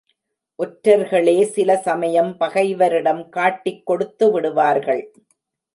ஒற்றர்களே சில சமயம் பகைவரிடம் காட்டிக் கொடுத்துவிடுவார்கள்.